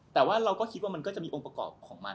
แต่ว่าเราก็คิดว่ามันก็จะมีองค์ประกอบของมัน